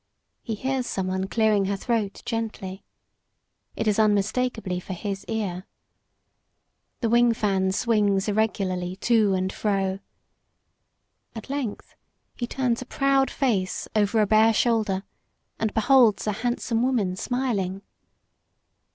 He hears some one clearing her throat gently. It is unmistakably for his ear. The wing fan swings irregularly to and fro. At length he turns a proud face over a bare shoulder and beholds a handsome woman smiling.